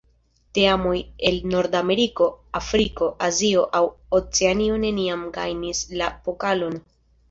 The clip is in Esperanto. Teamoj el Nordameriko, Afriko, Azio aŭ Oceanio neniam gajnis la pokalon.